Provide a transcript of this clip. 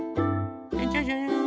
じゃじゃじゃん。